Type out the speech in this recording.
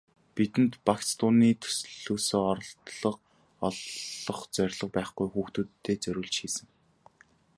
Бидэнд багц дууны төслөөсөө орлого олох зорилго байхгүй, хүүхдүүддээ зориулж хийсэн.